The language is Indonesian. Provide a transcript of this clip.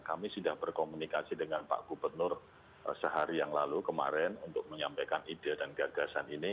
kami sudah berkomunikasi dengan pak gubernur sehari yang lalu kemarin untuk menyampaikan ide dan gagasan ini